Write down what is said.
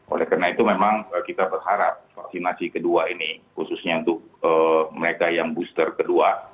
oleh karena itu memang kita berharap vaksinasi kedua ini khususnya untuk mereka yang booster kedua